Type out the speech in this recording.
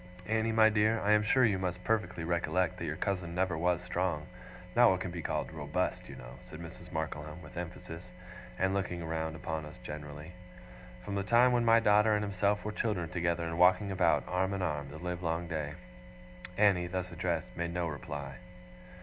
Annie, my dear, I am sure you must perfectly recollect that your cousin never was strong not what can be called ROBUST, you know,' said Mrs. Markleham, with emphasis, and looking round upon us generally, ' from the time when my daughter and himself were children together, and walking about, arm in arm, the livelong day.' Annie, thus addressed, made no reply.